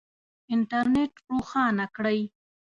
انټرنېټ روښانه کړئ